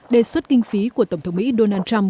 đề xuất kinh phí của tổng thống mỹ donald trump